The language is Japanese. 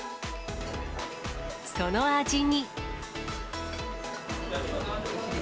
その味に。